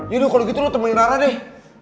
ya udah kalo gitu lu temenin rara deh